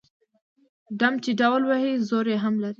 ـ ډم چې ډول وهي زور يې هم لري.